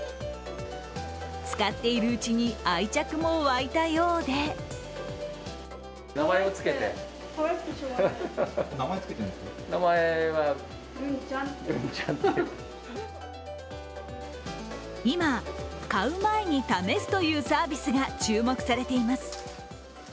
使っているうちに、愛着もわいたようで今、買う前に試すというサービスが注目されています。